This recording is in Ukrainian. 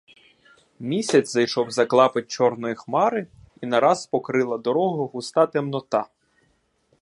Місяць зайшов за клапоть чорної хмари, і нараз покрила дорогу густа темнота.